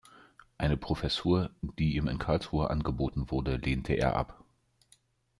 Eine Professur, die ihm in Karlsruhe angeboten wurde, lehnte er ab.